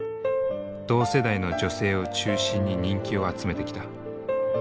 同世代の女性を中心に人気を集めてきた。